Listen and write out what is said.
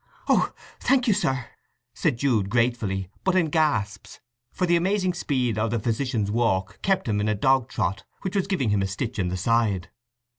"Oh, thank you, sir!" said Jude gratefully, but in gasps, for the amazing speed of the physician's walk kept him in a dog trot which was giving him a stitch in the side.